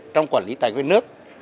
trong quản lý tài nguyên nước